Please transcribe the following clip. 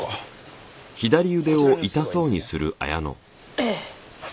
ええ。